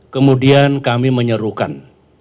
kemudian kami menyerukan